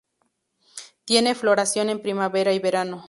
Tiene floración en primavera y verano.